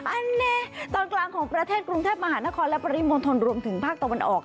อันนี้ตอนกลางของประเทศกรุงเทพมหานครและปริมณฑลรวมถึงภาคตะวันออก